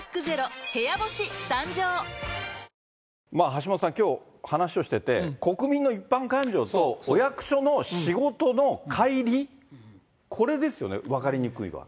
橋下さん、きょう話しをしてて、国民の一般感情とお役所の仕事のかい離、これですよね、分かりにくいのは。